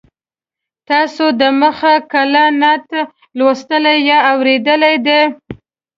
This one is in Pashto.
تاسو د مخه کله نعت لوستلی یا اورېدلی دی.